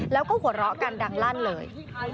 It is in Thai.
แล้วก็หัวเราะกันดังลั่นเลย